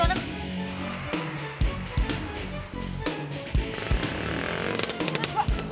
anaknya banget setonem